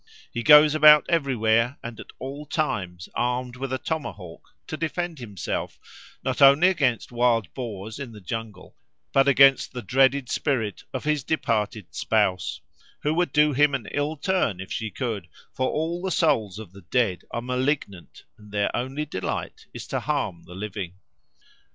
He goes about everywhere and at all times armed with a tomahawk to defend himself, not only against wild boars in the jungle, but against the dreaded spirit of his departed spouse, who would do him an ill turn if she could; for all the souls of the dead are malignant and their only delight is to harm the living.